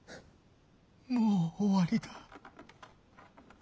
もう終わりだ。